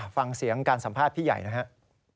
ฟังเสียงการสัมภาษณ์พี่ใหญ่นะครับ